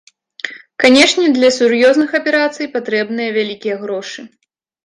Канешне, для сур'ёзных аперацый патрэбныя вялікія грошы.